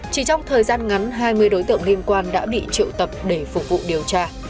chỉ trong thời gian ngắn hai mươi đối tượng liên quan đã bị triệu tập để phục vụ điều tra